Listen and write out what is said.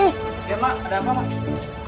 iya mak ada apa mak